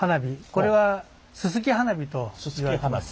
これはすすき花火といわれてます。